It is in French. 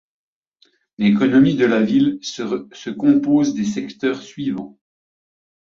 L'économie de la ville se compose des secteurs suivants.